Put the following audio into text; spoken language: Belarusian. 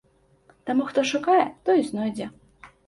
Таму хто шукае, той знойдзе.